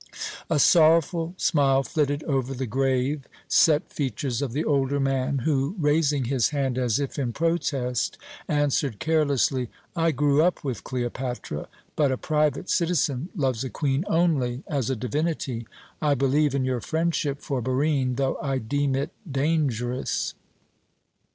A sorrowful smile flitted over the grave, set features of the older man, who, raising his hand as if in protest, answered carelessly: "I grew up with Cleopatra, but a private citizen loves a queen only as a divinity. I believe in your friendship for Barine, though I deem it dangerous."